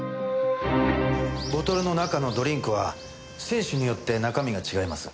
ボトルの中のドリンクは選手によって中身が違います。